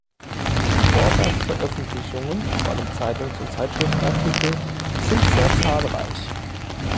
Rohrbachs Veröffentlichungen, vor allem Zeitungs- und Zeitschriftenartikel, sind sehr zahlreich.